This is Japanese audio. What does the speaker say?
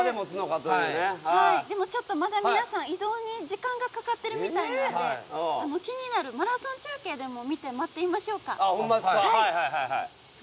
でもちょっと皆さん移動に時間がかかってるみたいなので気になるマラソン中継でも見て待っていましょうか。